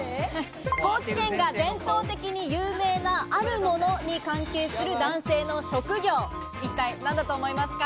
高知県が伝統的に有名なあるものに関係する男性の職業、一体何だと思いますか？